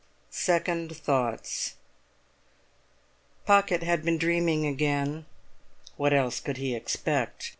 SECOND THOUGHTS Pocket had been dreaming again. What else could he expect?